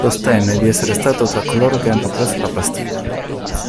Sostenne di essere stato tra coloro che hanno preso la Bastiglia.